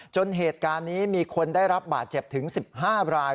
จนเหตุการณ์นี้มีคนได้รับบาดเจ็บถึง๑๕ราย